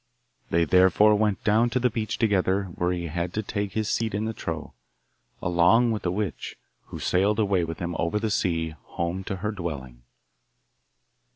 They therefore went down to the beach together, where he had to take his seat in the trough, along with the witch, who sailed away with him, over the sea, home to her dwelling.